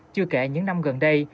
chưa kể những năm gần đây